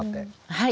はい。